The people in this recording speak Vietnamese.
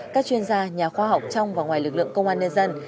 các chuyên gia nhà khoa học trong và ngoài lực lượng công an nhân dân